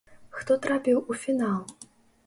Хто трапіў у фінал?